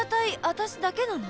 私だけなの？